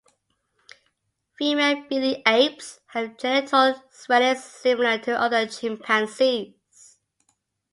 Female Bili apes have genital swellings similar to other chimpanzees.